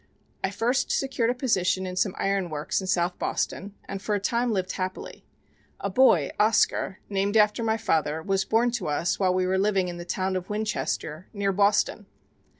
I first secured a position in some iron works in South Boston, and for a time lived happily. A boy, Oscar, named after my father, was born to us while we were living in the town of Winchester near Boston.